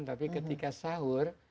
tapi ketika sahur